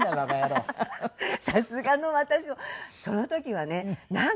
さすがの私もその時はねなんか。